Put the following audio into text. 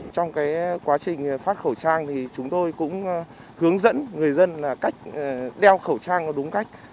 trong quá trình phát khẩu trang chúng tôi cũng hướng dẫn người dân cách đeo khẩu trang đúng cách